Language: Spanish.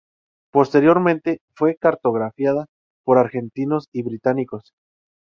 Posteriormente fue cartografiada por argentinos y británicos.